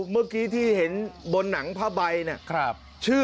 เมื่อกี้ที่เห็นบนหนังพระพายวินาธิบาล